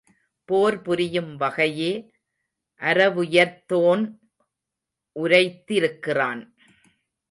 போர் புரியும் வகையே அரவுயர்த்தோன் உரைத்தி ருக்கிறான்.